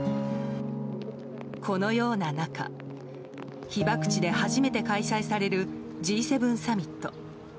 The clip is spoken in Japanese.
このような中、被爆地で初めて開催されるＧ７サミット。